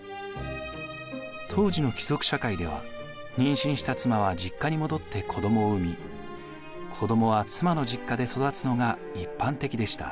当時の貴族社会では妊娠した妻は実家に戻って子どもを産み子どもは妻の実家で育つのが一般的でした。